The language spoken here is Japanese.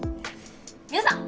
皆さん！